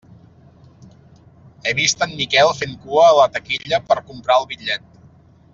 He vist en Miquel fent cua a la taquilla per comprar el bitllet.